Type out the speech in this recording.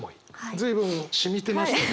随分染みてました。